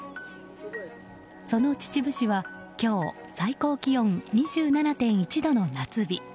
その秩父市は今日最高気温２７．１度の夏日。